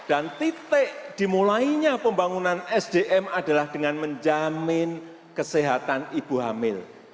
dan titik dimulainya pembangunan sdm adalah dengan menjamin kesehatan ibu hamil